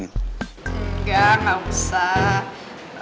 enggak enggak usah